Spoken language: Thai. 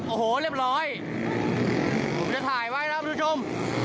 โอ้โหเรียบร้อยผมจะถ่ายไว้ครับคุณผู้ชม